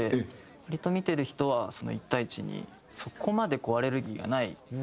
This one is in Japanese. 割と見てる人は１対１にそこまでこうアレルギーがなく。